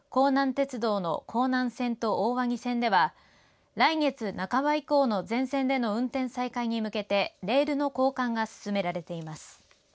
鉄道の弘南線と大鰐線では来月半ば以降の全線での運転再開に向けてレールの交換が進められています。